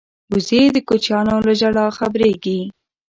وزې د کوچنیانو له ژړا خبریږي